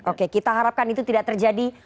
oke kita harapkan itu tidak terjadi